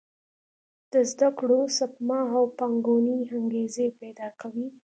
د زده کړو، سپما او پانګونې انګېزې پېدا کوي.